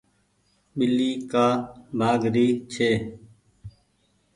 ٻلي ڪآ ڀآگ ري ڇي۔